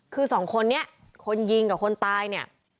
คือสองคนนี้คนยิงกับคนตายเนี่ย